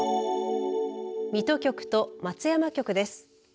水戸局と松山局です。